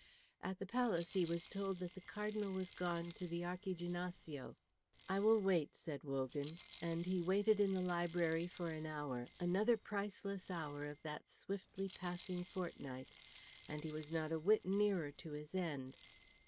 At the palace he was told that the Cardinal was gone to the Archiginnasio. "I will wait," said Wogan; and he waited in the library for an hour, another priceless hour of that swiftly passing fortnight, and he was not a whit nearer to his end!